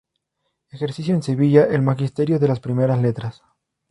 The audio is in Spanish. Ejerció en Sevilla el magisterio de las primeras letras.